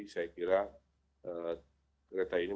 saya kira kereta ini